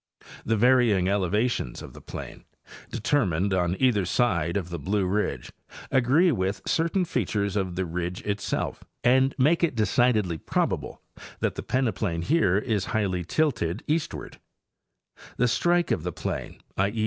The varying elevations of the plain, determined on either side of the Blue ridge, agree with certain features of the ridge itself and make it decidedly probable that the peneplain here is highly tilted eastward; the strike of the plain—i. e.